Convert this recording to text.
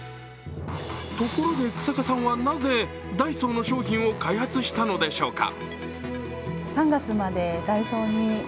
ところで日下さんはなぜダイソーの商品を開発したのでしょうか。